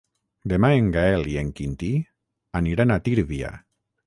Demà en Gaël i en Quintí aniran a Tírvia.